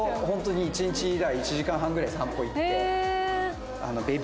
ホントに１日１時間半ぐらい散歩行って。